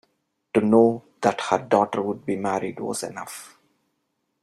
To know that her daughter would be married was enough.